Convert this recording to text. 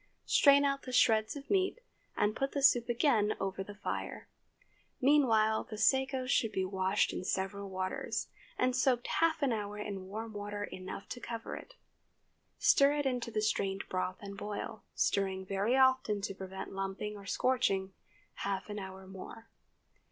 Strain out the shreds of meat, and put the soup again over the fire. Meanwhile the sago should be washed in several waters, and soaked half an hour in warm water enough to cover it. Stir it into the strained broth and boil—stirring very often to prevent lumping or scorching—half an hour more.